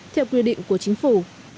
theo quy định của chính phủ